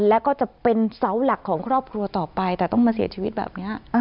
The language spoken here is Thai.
แล้วก็จะเป็นเสาหลักของครอบครัวต่อไปแต่ต้องมาเสียชีวิตแบบนี้